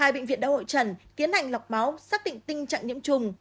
hai bệnh viện đã hội trần tiến hành lọc máu xác định tình trạng nhiễm trùng